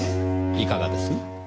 いかがです？